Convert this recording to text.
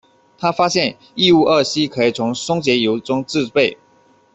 他发现异戊二烯可以从松节油中制备。